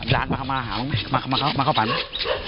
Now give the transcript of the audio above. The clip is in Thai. ร้านมาเข้าฝันมั้ย